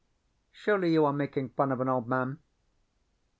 Surely you are making fun of an old man?...